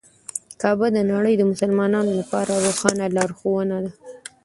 کعبه د نړۍ د مسلمانانو لپاره روښانه لارښوونه ده.